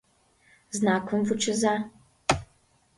— Знакым вучыза!